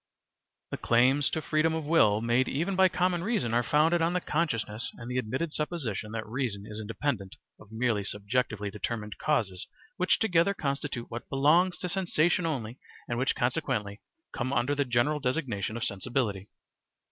The claims to freedom of will made even by common reason are founded on the consciousness and the admitted supposition that reason is independent of merely subjectively determined causes which together constitute what belongs to sensation only and which consequently come under the general designation of sensibility.